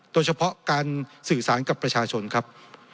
โดยเฉพาะการสื่อสารกับประชาชนครับ